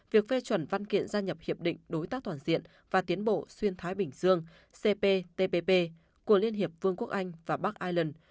việc phê chuẩn văn kiện gia nhập hiệp định đối tác toàn diện và tiến bộ xuyên thái bình dương cptpp của liên hiệp vương quốc anh và bắc ireland